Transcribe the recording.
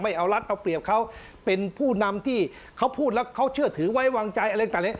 เอารัฐเอาเปรียบเขาเป็นผู้นำที่เขาพูดแล้วเขาเชื่อถือไว้วางใจอะไรต่าง